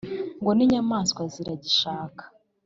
ngo n’inyamaswa ziragishaka